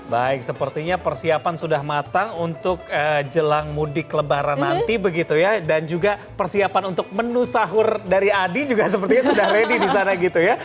baik sepertinya persiapan sudah matang untuk jelang mudik lebaran nanti begitu ya dan juga persiapan untuk menu sahur dari adi juga sepertinya sudah ready di sana gitu ya